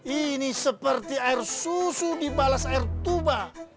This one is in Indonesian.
ini seperti air susu dibalas air tuba